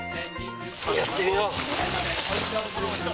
やってみよう。